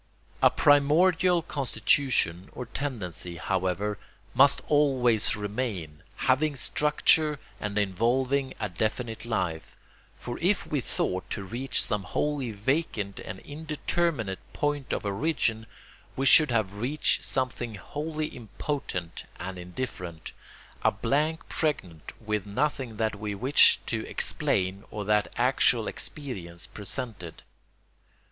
A primordial constitution or tendency, however, must always remain, having structure and involving a definite life; for if we thought to reach some wholly vacant and indeterminate point of origin, we should have reached something wholly impotent and indifferent, a blank pregnant with nothing that we wished to explain or that actual experience presented.